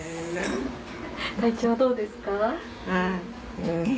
体調はどうですか？